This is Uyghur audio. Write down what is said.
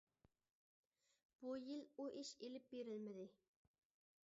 بۇ يىل ئۇ ئىش ئېلىپ بېرىلمىدى.